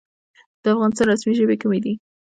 د افغانستان رسمي ژبې کومې دي؟